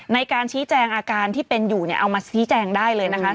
ในการชี้แจงอาการที่เป็นอยู่เนี่ยเอามาชี้แจงได้เลยนะคะ